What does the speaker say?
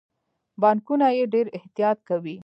بانکونه یې ډیر احتیاط کوي.